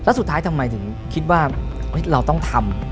แล้วสุดท้ายทำไมถึงคิดว่าเราต้องทำ